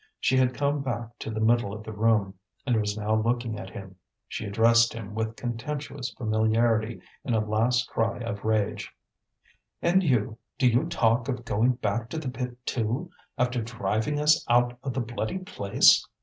She had come back to the middle of the room, and was now looking at him; she addressed him with contemptuous familiarity in a last cry of rage: "And you, do you talk of going back to the pit, too, after driving us out of the bloody place!